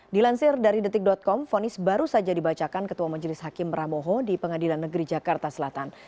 dilansir dari detik com fonis baru saja dibacakan ketua majelis hakim ramoho di pengadilan negeri jakarta selatan